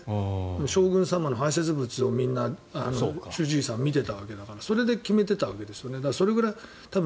将軍様の排せつ物をみんな主治医さんは見ててそれで決めてたわけですよね。